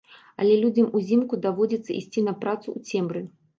Але людзям узімку даводзіцца ісці на працу ў цемры.